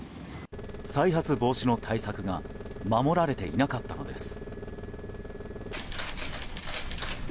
再発防止の対策が守られていなかったのです。